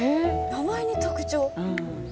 名前に特徴？